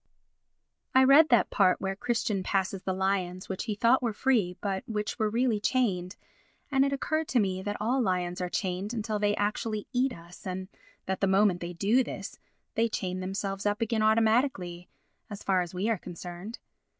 I read that part where Christian passes the lions which he thought were free but which were really chained and it occurred to me that all lions are chained until they actually eat us and that, the moment they do this, they chain themselves up again automatically, as far as we are concerned.